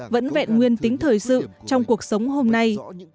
vẫn vẹn nguyên tính thời sự trong cuộc sống hôm nay